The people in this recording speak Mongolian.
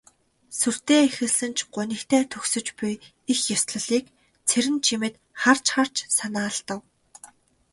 Сүртэй эхэлсэн ч гунигтай төгсөж буй их ёслолыг Цэрэнчимэд харж харж санаа алдав.